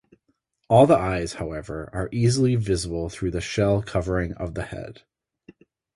All the eyes, however, are easily visible through the shell covering of the head.